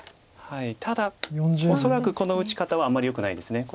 ただ恐らくこの打ち方はあんまりよくないです。